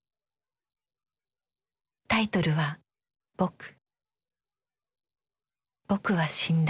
タイトルは「ぼく」。